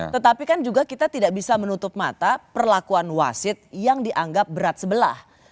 tetapi kan juga kita tidak bisa menutup mata perlakuan wasit yang dianggap berat sebelah